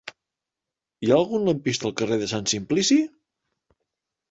Hi ha algun lampista al carrer de Sant Simplici?